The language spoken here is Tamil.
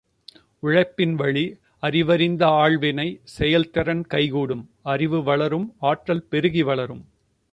உழைப்பின் வழி அறிவறிந்த ஆள்வினை, செயல் திறன் கைகூடும், அறிவு வளரும் ஆற்றல் பெருகி வளரும்.